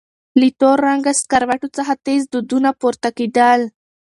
له تور رنګه سکروټو څخه تېز دودونه پورته کېدل.